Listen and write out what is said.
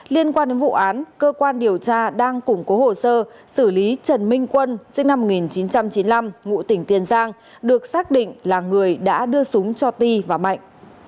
liên quan đến vụ án cơ quan điều tra đang củng cố hồ sơ xử lý trần minh quân sinh năm một nghìn chín trăm chín mươi năm ngụ tỉnh tiền giang được xác định là người đã đưa súng cho ti và mạnh